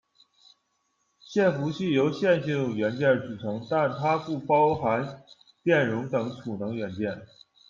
限幅器由线性元件组成，但它不包含电容等储能元件。